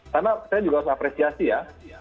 karena saya juga harus apresiasi ya